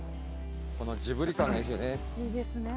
このジブリ感がいいですよね。